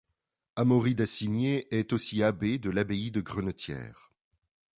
Amauri d'Acigné est aussi abbé de l'abbaye de Grenetière.